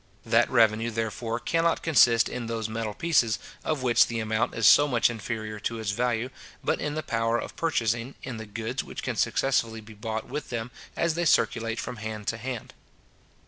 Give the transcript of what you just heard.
That revenue, therefore, cannot consist in those metal pieces, of which the amount is so much inferior to its value, but in the power of purchasing, in the goods which can successively be bought with them as they circulate from hand to hand.